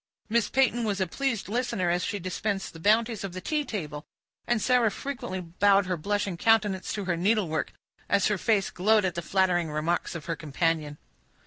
Miss Peyton was a pleased listener, as she dispensed the bounties of the tea table, and Sarah frequently bowed her blushing countenance to her needlework, as her face glowed at the flattering remarks of her companion.